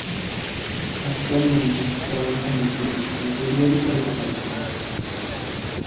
Actualmente trabaja en el diario El Periódico de Catalunya.